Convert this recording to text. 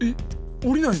おりないの？